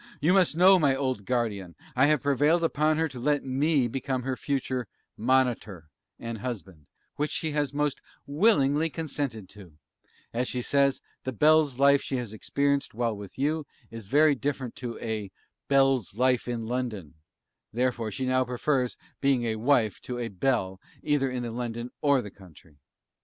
You must know, my old Guardian, I have prevailed upon her to let me become her future 'MONITOR' and Husband, which she has most willingly consented to; as she says the Belle's life she has experienced while with you, is very different to a 'BELLE'S LIFE IN LONDON;' therefore she now prefers being a Wife to a 'Belle,' either in London or the Country.